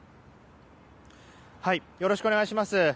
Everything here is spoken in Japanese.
よろしくお願いします。